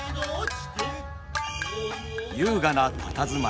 優雅なたたずまい。